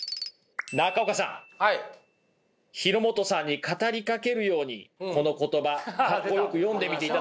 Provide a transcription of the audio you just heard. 中岡さん廣本さんに語りかけるようにこの言葉格好よく読んでみていただけますか？